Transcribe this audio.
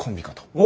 おっ！